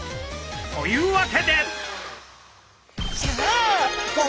というわけで！